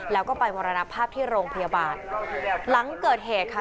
แล้วก็ไปมรณภาพที่โรงพยาบาลหลังเกิดเหตุค่ะ